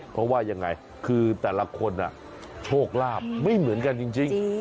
เพราะว่ายังไงคือแต่ละคนโชคลาภไม่เหมือนกันจริง